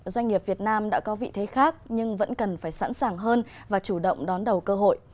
doanh nghiệp việt nam đã có vị thế khác nhưng vẫn cần phải sẵn sàng hơn và chủ động đón đầu cơ hội